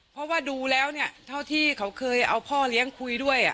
เพราะว่าดูแล้วเนี่ยเท่าที่เขาเคยเอาพ่อเลี้ยงคุยด้วย